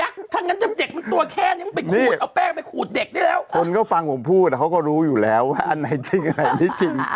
คนก็ฟังผมพูดเขาก็รู้อยู่แล้วว่าอันไหนจริงอันไหนไม่จริง